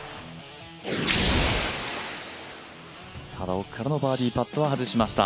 奥からのバーディーパッとは外しました。